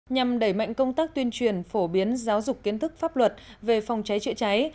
nhằm đẩy mạnh công tác tuyên truyền phổ biến giáo dục kiến thức pháp luật về phòng cháy chữa cháy